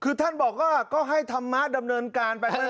คือท่านบอกว่าก็ให้ธรรมะดำเนินการไป